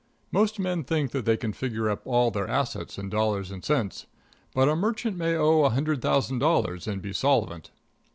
Most men think that they can figure up all their assets in dollars and cents, but a merchant may owe a hundred thousand dollars and be solvent.